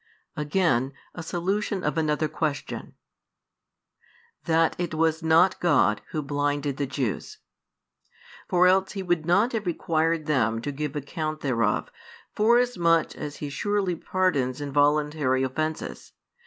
AGAIN: A SOLUTION OF ANOTHER QUESTION: That it was not God Who blinded the Jews. For else He would not have required them to give account thereof, forasmuch as He surely pardons involuntary offences.